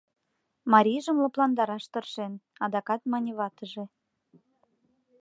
— марийжым лыпландараш тыршен, адакат мане ватыже.